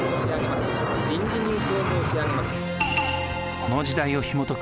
この時代をひもとく